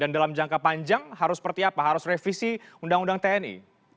dan dalam jangka panjang harus seperti apa harus revisi undang undang tni